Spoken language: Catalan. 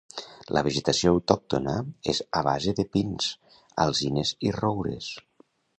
La vegetació autòctona és a base de pins, alzines i roures.